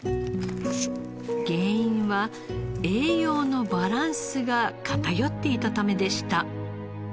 原因は栄養のバランスが偏っていたためでした。